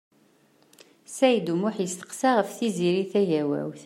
Saɛid U Muḥ yesteqsa ɣef Tiziri Tagawawt.